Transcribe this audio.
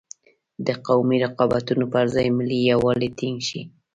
د قومي رقابتونو پر ځای ملي یوالی ټینګ شي.